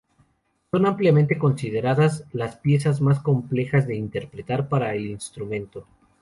Son ampliamente consideradas las piezas más complejas de interpretar para el instrumento.